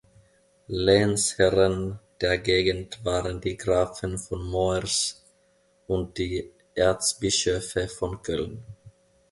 Lehnsherren der Gegend waren die Grafen von Moers und die Erzbischöfe von Köln.